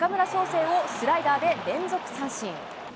成をスライダーで連続三振。